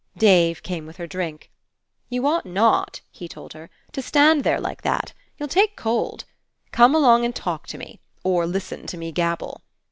Dave came with her drink. "You ought not," he told her, "to stand there like that. You'll take cold. Come along and talk to me, or listen to me gabble."